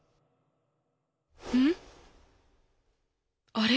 あれ？